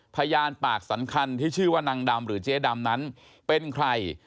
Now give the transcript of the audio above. พยานปากสำคัญที่ชื่อว่านางดำหรือเจ๊ดำนั้นเป็นใคร